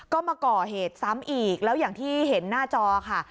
ก็มาก่อเหตุซ้ำอีกแล้วอย่างที่เห็นหน้าจอค่ะ